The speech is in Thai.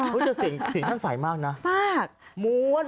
มือจะเสียงใสมากนะมา่กมวน